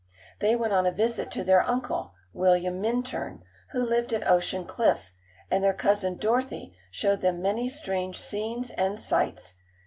They went on a visit to their uncle, William Minturn, who lived at Ocean Cliff, and their cousin Dorothy showed them many strange scenes and sights.